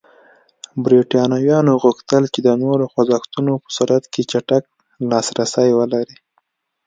برېټانویانو غوښتل چې د نورو خوځښتونو په صورت کې چټک لاسرسی ولري.